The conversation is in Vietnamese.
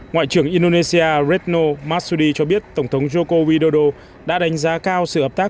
ngoại trưởng indonesia retno masudi cho biết tổng thống joko widodo đã đánh giá cao sự hợp tác